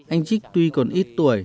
anh trích tuy còn ít tuổi